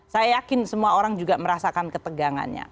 saya yakin semua orang juga merasakan ketegangannya